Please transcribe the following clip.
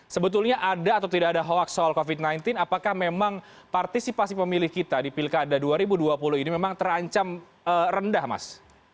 sebetulnya ada atau tidak ada hoax soal covid sembilan belas apakah memang partisipasi pemilih kita di pilkada dua ribu dua puluh ini memang terancam rendah mas